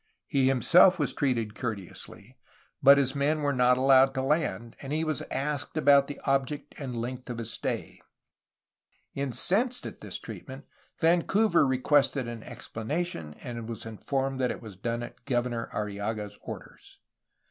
He himself was treated courteously, but his men were not allowed to land, and he was asked about the object and length of his stay. Incensed at this treatment, Vancouver requested an explanation, and was informed that it was done at Governor Arrillaga's orders.